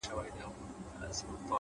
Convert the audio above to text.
وخت بېرته نه راګرځي،